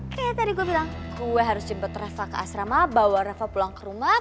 kayak tadi gue bilang gue harus jemput rafa ke asrama bawa rafa pulang ke rumah